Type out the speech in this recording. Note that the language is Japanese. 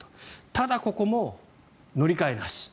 ただ、ここも乗り換えなし。